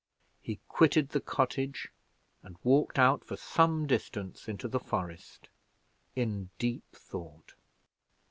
He quitted the cottage and walked out for some distance into the forest, in deep thought.